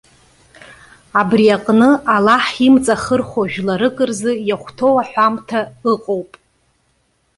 Абри аҟны, Аллаҳ имҵахырхәо жәларык рзы иахәҭоу аҳәамҭа иҟоуп.